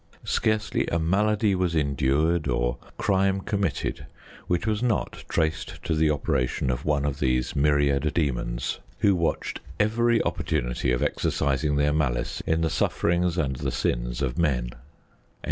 Scarcely a malady was endured, or crime committed, which was not traced to the operation of one of these myriad demons, who watched every opportunity of exercising their malice in the sufferings and the sins of men.